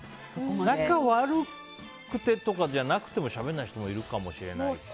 仲悪くてとかじゃなくてもしゃべらない人もいるかもしれないから。